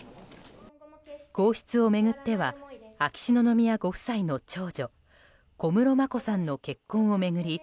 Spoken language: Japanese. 皇室を巡っては秋篠宮ご夫妻の長女・小室眞子さんの結婚を巡り